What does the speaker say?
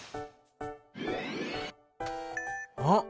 あっ！